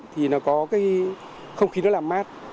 thì nó có cái không khí nó làm mát